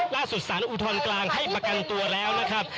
สารอุทธรณกลางให้ประกันตัวแล้วนะครับ